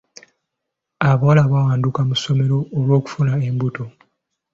Abawala bawanduka mu ssomero olw'okufuna embuto.